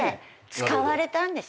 使われたんですよ。